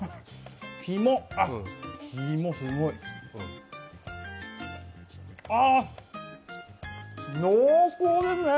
肝、あ、肝、すごい。あっ、濃厚ですね。